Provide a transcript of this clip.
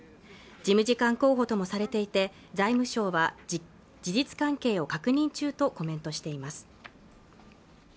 事務次官候補ともされていて財務省は事実関係を確認中とコメントしています